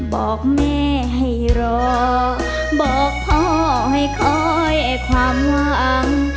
บอกแม่ให้รอบอกพ่อให้คอยความหวัง